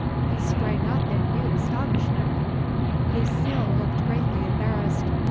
He sprang up in mute astonishment. Lucile looked greatly embarrassed.